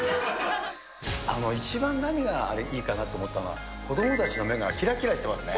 一番、何がいいかなと思ったのは、子どもたちの目がきらきらしてますね。